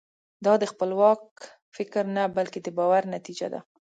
دا د خپلواک فکر نه بلکې د باور نتیجه ده.